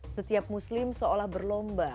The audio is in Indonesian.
setiap muslim seolah berlomba